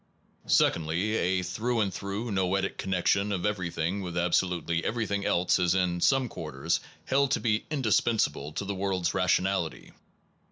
Secondly, a through and through noetic connection of everything with absolutely ev erything else is in some quarters held to be indispensable to the world s rationality.